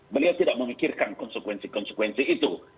beliau tidak memikirkan konsekuensi konsekuensi itu